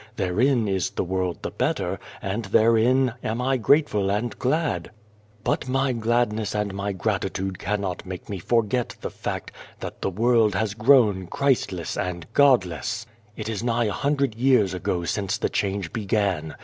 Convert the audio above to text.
Therein is the world the better, and therein am I grateful and glad. But my glad 253 A World ness and my gratitude cannot make me forget the fact that the world has grown Christless and Godless. "It is nigh a hundred years ago since the change began.